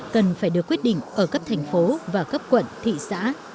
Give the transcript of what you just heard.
cần phải được quyết định ở các thành phố và các quận thị xã